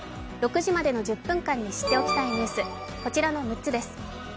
６時までの１０分間に知っておきたいニュースこちらの６つです。